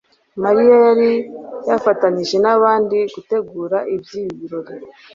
Mariya yari yafatanije n’abandi gutegura iby’ibi birori